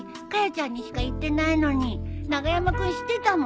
ちゃんにしか言ってないのに長山君知ってたもん。